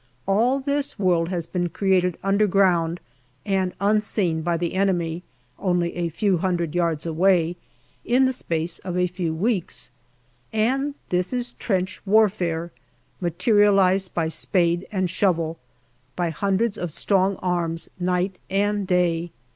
All this world has been created underground, and unseen by the enemy, only a few hundred yards away, in the space of a few weeks ; and this is trench warfare, materialized by spade and shovel, by hundreds of strong arms, night and day.